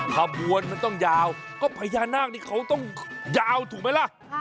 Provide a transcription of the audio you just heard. ขบวนมันต้องยาวก็พญานาคนี่เขาต้องยาวถูกไหมล่ะ